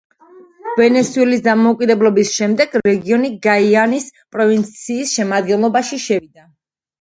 ვენესუელის დამოუკიდებლობის შემდეგ, რეგიონი გაიანის პროვინციის შემადგენლობაში შევიდა.